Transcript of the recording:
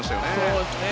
そうですね。